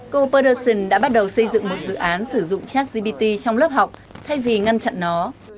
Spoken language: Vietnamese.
cô perdertion đã bắt đầu xây dựng một dự án sử dụng chat gpt trong lớp học thay vì ngăn chặn nó